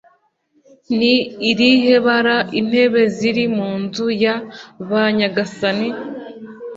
Ni irihe bara Intebe ziri munzu ya ba nyagasani?